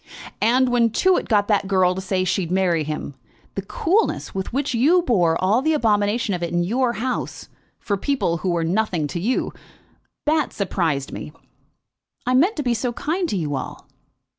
"And when Tewett got that girl to say she'd marry him, the coolness with which you bore all the abomination of it in your house, for people who were nothing to you; that surprised me!" "I meant to be so kind to you all."